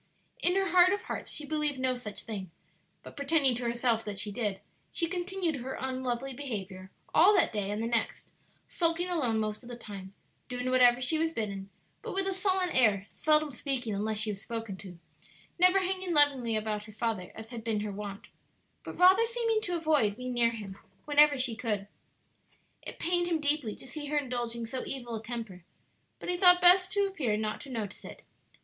In her heart of hearts she believed no such thing, but pretending to herself that she did, she continued her unlovely behavior all that day and the next, sulking alone most of the time; doing whatever she was bidden, but with a sullen air, seldom speaking unless she was spoken to, never hanging lovingly about her father, as had been her wont, but rather seeming to avoid being near him whenever she could. It pained him deeply to see her indulging so evil a temper, but he thought best to appear not to notice it.